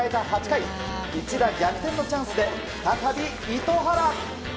８回一打逆転のチャンスで再び糸原。